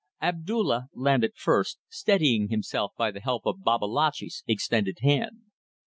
Abdulla landed first, steadying himself by the help of Babalatchi's extended hand.